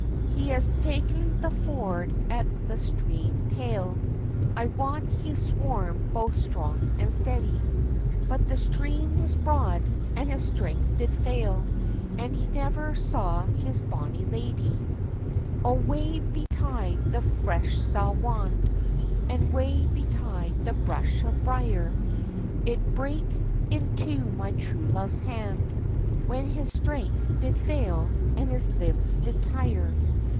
He has ta'en the ford at that stream tail; I wot he swam both strong and steady; But the stream was broad, and his strength did fail, And he never saw his bonny ladye. "O wae betide the frush saugh wand! And wae betide the bush of brier! It brake into my true love's hand, When his strength did fail, and his limbs did tire.